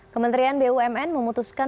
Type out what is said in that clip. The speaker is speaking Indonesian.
kementerian bumn memutuskan